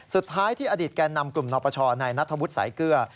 สุดท้ายที่อดีตแก่นำกลุ่มนปชในนัทธวุฒิสายเกลือ